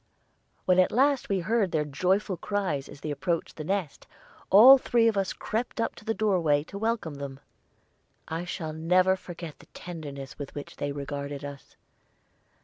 "] When at last we heard their joyful cries as they approached the nest, all three of us crept up to the doorway to welcome them. I shall never forget the tenderness with which they regarded us.